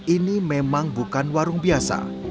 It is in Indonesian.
ini memang bukan warung biasa